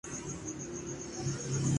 مغربی یورپ